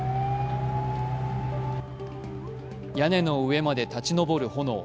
屋根の上まで立ち上る炎。